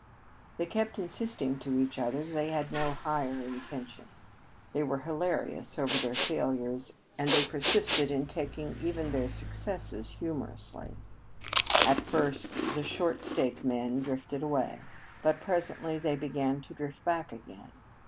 They kept insisting to each other that they had no higher intention. They were hilarious over their failures and they persisted in taking even their successes humorously. At first the "short stake men" drifted away, but presently they began to drift back again.